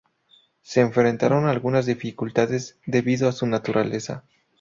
Se enfrentaron a algunas dificultades debido a su naturaleza.